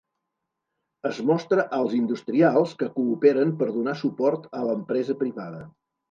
Es mostra als industrials que cooperen per donar suport a l'empresa privada.